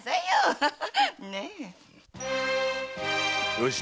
よし。